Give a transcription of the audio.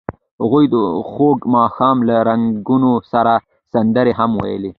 هغوی د خوږ ماښام له رنګونو سره سندرې هم ویلې.